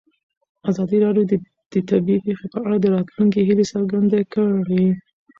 ازادي راډیو د طبیعي پېښې په اړه د راتلونکي هیلې څرګندې کړې.